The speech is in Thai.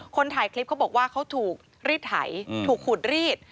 คนถ่ายคลิปเขาบอกว่าเขาถูกรีดไถถูกขูดรีด